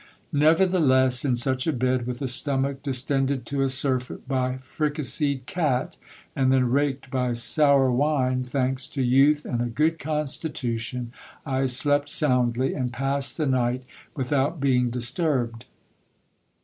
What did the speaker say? Nevertheless, in such a bed, with a stomach distended to a surfeit by fricaseed cat, and then raked by sour wine, thanks to youth and a good constitution, I slept soundly, and passed the night without being dis turbed.